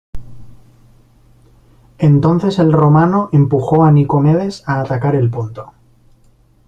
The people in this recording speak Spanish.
Entonces el romano empujó a Nicomedes a atacar el Ponto.